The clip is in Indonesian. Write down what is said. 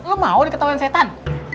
lo mau diketahuin setan